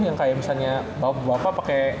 yang kayak misalnya bapak pakai